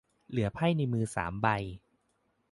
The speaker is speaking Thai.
เหลือไพ่ในมือสามใบ